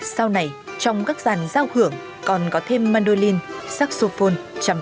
sau này trong các dàn giao hưởng còn có thêm mandolin saxophone